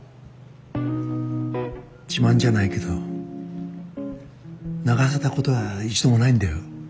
自慢じゃないけど泣かせたことは一度もないんだよ。